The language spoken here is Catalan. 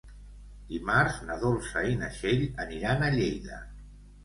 Dimarts na Dolça i na Txell aniran a Lleida.